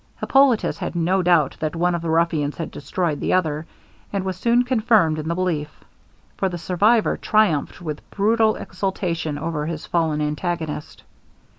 Hippolitus had no doubt that one of the ruffians had destroyed the other, and was soon confirmed in the belief for the survivor triumphed with brutal exultation over his fallen antagonist.